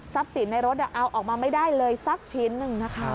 สินในรถเอาออกมาไม่ได้เลยสักชิ้นหนึ่งนะคะ